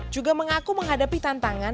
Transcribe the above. juga mengaku menghadapi tantangan